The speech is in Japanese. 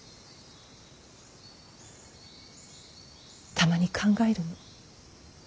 たまに考えるの。